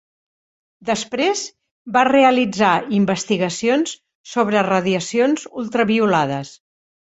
Després, va realitzar investigacions sobre radiacions ultraviolades.